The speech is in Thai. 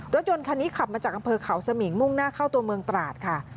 รถยนต์คันนี้ขับมาจากอำเภอเขาสมิงมุ่งหน้าเข้าตัวเมืองตราดค่ะ